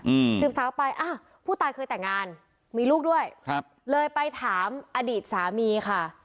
อืมสืบสาวไปอ้าวผู้ตายเคยแต่งงานมีลูกด้วยครับเลยไปถามอดีตสามีค่ะ